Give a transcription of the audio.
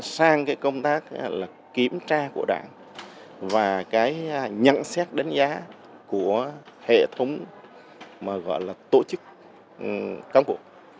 sang công tác kiểm tra của đảng và nhận xét đánh giá của hệ thống tổ chức cán bộ